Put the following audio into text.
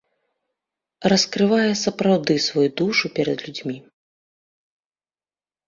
Раскрывае сапраўды сваю душу перад людзьмі.